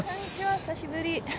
久しぶり。